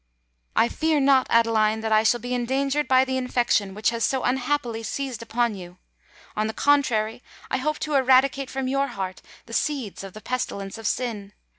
I fear not, Adeline, that I shall be endangered by the infection which has so unhappily seized upon you: on the contrary, I hope to eradicate from your heart the seeds of the pestilence of sin!